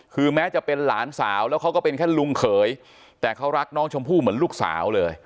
คือแม้จะเป็นหลานสาวแล้วเขาก็เป็นแค่ลุงเขยแต่เขารักน้องชมพู่เหมือนลูกสาวเลย